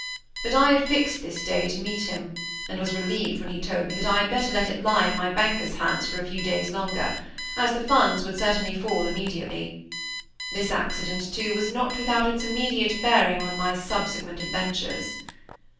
But I had fixed this day to meet him, and was relieved when he told me that I had better let it lie in my banker's hands for a few days longer, as the funds would certainly fall immediately. This accident, too, was not without its immediate bearing on my subsequent adventures.